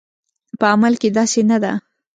په عمل کې داسې نه ده